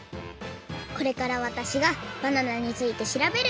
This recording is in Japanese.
これからわたしがバナナについてしらべるよ！